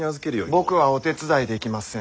僕はお手伝いできません。